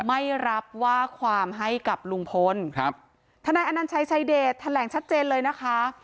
ไม่รับว่าความให้กับลุงพลครับทนายอนัญชัยชายเดชแถลงชัดเจนเลยนะคะ